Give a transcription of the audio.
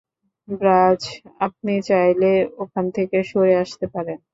ব্র্যায, আপনি চাইলে ওখান থেকে সরে আসতে পারেন!